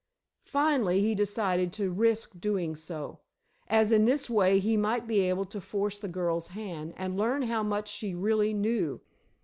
Finally, he decided to risk doing so, as in this way he might be able to force the girl's hand and learn how much she really knew.